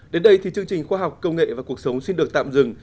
đến đây thì chương trình khoa học công nghệ và cuộc sống xin được tạm dừng